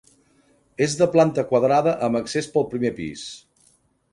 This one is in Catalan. És de planta quadrada amb accés pel primer pis.